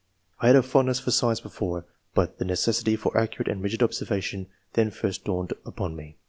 I had a fondness for science before, but the ne cessity for accurate and rigid observation then first dawned upon me.